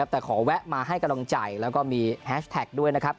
แต่ขอแวะมาให้กำลังใจแล้วก็มีแฮชแท็กด้วยนะครับ